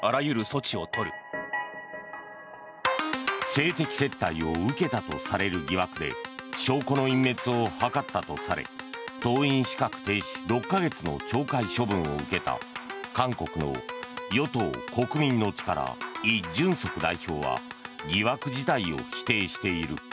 性的接待を受けたとされる疑惑で証拠の隠滅を図ったとされ党員資格停止６か月の懲戒処分を受けた韓国の与党・国民の力イ・ジュンソク代表は疑惑自体を否定している。